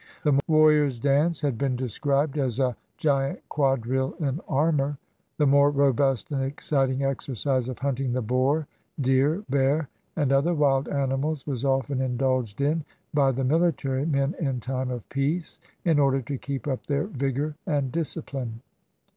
The Warrior's Dance had been described as a "giant quadrille in armor." The more robust and excit ing exercise of hunting the boar, deer, bear, and other wild animals was often indulged in by the military men in time of peace, in order to keep up their vigor and dis cipline.